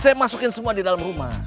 saya masukin semua di dalam rumah